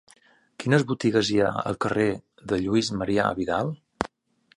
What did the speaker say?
Quines botigues hi ha al carrer de Lluís Marià Vidal?